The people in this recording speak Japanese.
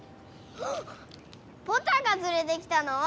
ポタがつれてきたの？